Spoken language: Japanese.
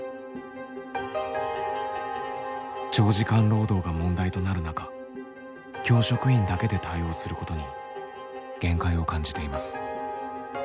長時間労働が問題となる中教職員だけで対応することに限界を感じています。